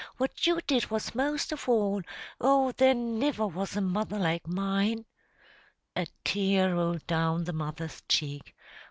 what you did was most of all. Oh, there niver was a mother like mine!" A tear rolled down the mother's cheek.